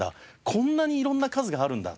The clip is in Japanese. こんなに色んな数があるんだ。